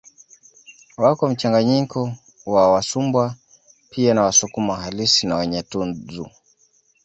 Wako mchanganyiko na Wasumbwa pia na Wasukuma halisi na Wanyantuzu